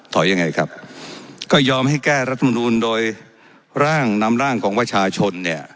ยังไงครับก็ยอมให้แก้รัฐมนูลโดยร่างนำร่างของประชาชนเนี่ย